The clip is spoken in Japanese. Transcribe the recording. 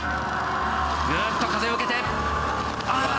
ぐっと風を受けてあ。